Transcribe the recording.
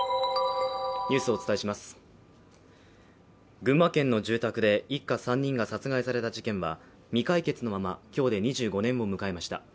群馬県の住宅で一家３人が殺害された事件は、未解決のまま今日で２５年を迎えました。